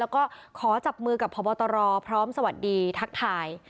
แล้วก็ขอจับมือกับพบตรพร้อมสวัสดีทักทาย